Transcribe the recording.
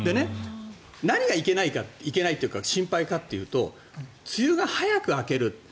何がいけないかいけないっていうか心配かっていうと梅雨が早く明ける。